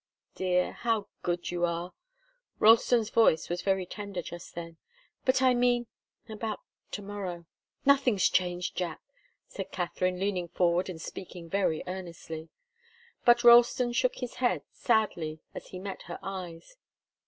"Dear how good you are!" Ralston's voice was very tender just then. "But I mean about to morrow." "Nothing's changed, Jack," said Katharine, leaning forward and speaking very earnestly. But Ralston shook his head, sadly, as he met her eyes.